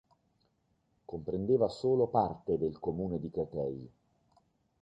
Comprendeva solo parte del comune di Créteil.